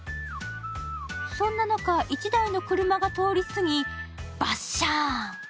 そんな中、１台の車が通り過ぎ、バッシャーン。